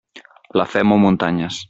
La fe mou muntanyes.